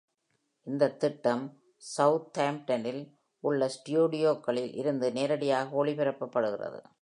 இந்த திட்டம் சவுத்தாம்ப்டனில் உள்ள ஸ்டுடியோக்களில் இருந்து நேரடியாக ஒளிபரப்பப்படுகிறது.